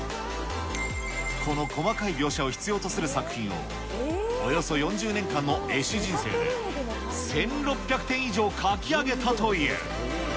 この細かい描写を必要とする作品を、およそ４０年間の絵師人生で、１６００点以上書き上げたという。